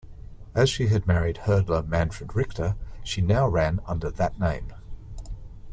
As she had married hurdler Manfred Richter, she now ran under that name.